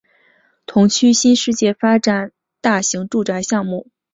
同区新世界发展大型住宅项目